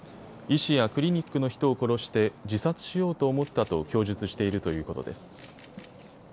医師やクリニックの人を殺して自殺しようと思ったと供述しているということです。